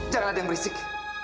jangan ada yang berisik